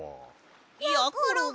やころが。